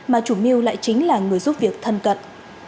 mà chủ mưu lại chính là người giúp việc thân cận